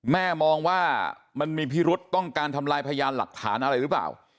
มองว่ามันมีพิรุษต้องการทำลายพยานหลักฐานอะไรหรือเปล่า